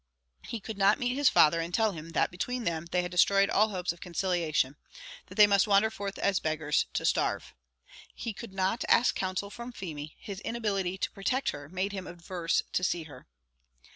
He could not meet his father, and tell him that, between them, they had destroyed all hopes of conciliation; that they must wander forth as beggars, to starve. He could not ask counsel from Feemy; his inability to protect her made him averse to see her.